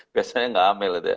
biasanya gak hamil